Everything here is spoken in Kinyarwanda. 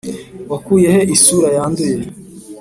wakuye he isura yanduye,